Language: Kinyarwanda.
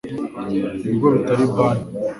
ibigo bitari banki